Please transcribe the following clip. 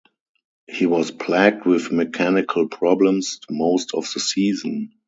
He was plagued with mechanical problems most of the season.